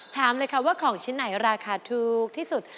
ถามเลยค่ะว่าของชิ้นไหนราคาถูกที่สุด